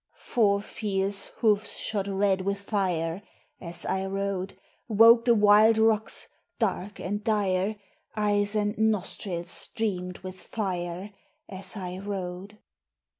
Four fierce hoofs shod red with fire, As I rode, Woke the wild rocks, dark and dire; Eyes and nostrils streamed with fire, As I rode.